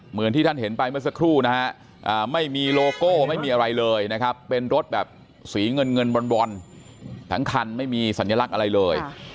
เหมือนที่ท่านเห็นไปเมื่อสักครู่นะฮะไม่มีโลโก้ไม่มีอะไรเลยนะครับเป็นรถแบบสีเงินเงินบอนทั้งคันไม่มีสัญลักษณ์อะไรเลย